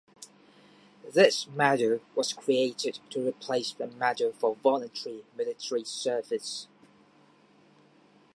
This medal was created to replace the Medal for voluntary military service.